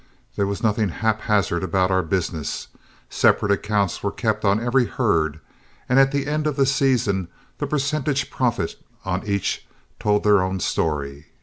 There was nothing haphazard about our business; separate accounts were kept on every herd, and at the end of the season the percentage profit on each told their own story.